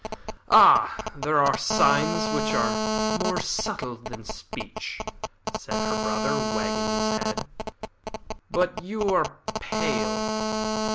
"Ah, there are signs which are more subtle than speech," said her brother, wagging his head. "But you are pale.